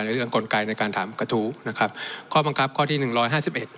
เรื่องกลไกในการถามกระทู้นะครับข้อบังคับข้อที่หนึ่งร้อยห้าสิบเอ็ด